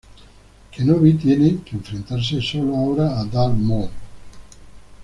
Kenobi tiene que enfrentarse solo ahora a Darth Maul.